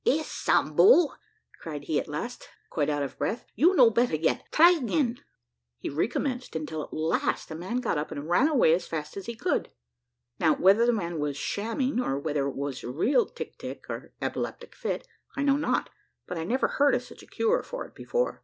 "Eh, Sambo!" cried he at last, quite out of breath, "you no better yet, try again " He recommenced, until at last the man got up and ran away as fast as he could. Now, whether the man was shamming or whether it was real tic tic, or epileptic fit, I know not, but I never heard of such a cure for it before.